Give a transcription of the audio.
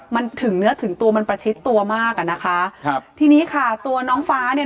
มันถึงเนื้อถึงตัวมันประชิดตัวมากอ่ะนะคะครับทีนี้ค่ะตัวน้องฟ้าเนี่ย